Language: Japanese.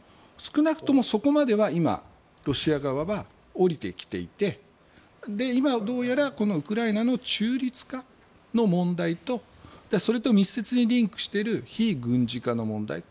少なくともそこまでは今、ロシア側は下りてきていて今、どうやらウクライナの中立化の問題とそれと密接にリンクしている非軍事化の問題。